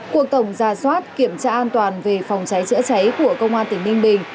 cuộc tổng ra soát kiểm tra an toàn về phòng cháy chữa cháy của công an tỉnh ninh bình